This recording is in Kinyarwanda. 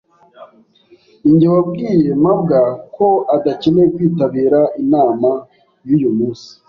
Ninjye wabwiye mabwa ko adakeneye kwitabira inama yuyu munsi.